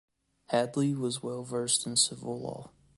Hadley was well versed in civil law.